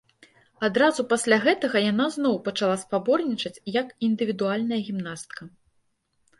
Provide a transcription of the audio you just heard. Адразу пасля гэтага яна зноў пачала спаборнічаць як індывідуальная гімнастка.